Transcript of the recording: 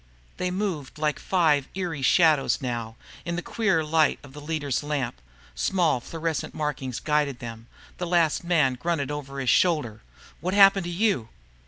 They moved like five eerie shadows now, in the queer light of the leader's lamp. Small fluorescent markings guided them. The last man grunted over his shoulder, "What happened to you?"